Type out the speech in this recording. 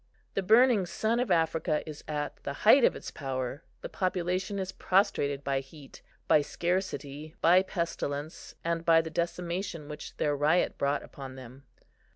The burning sun of Africa is at the height of its power. The population is prostrated by heat, by scarcity, by pestilence, and by the decimation which their riot brought upon them.